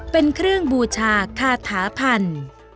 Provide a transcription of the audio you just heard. เป็นเครื่องบูชาคาถาพันธุ์